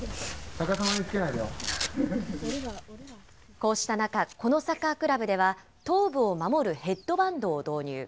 こうした中、このサッカークラブでは、頭部を守るヘッドバンドを導入。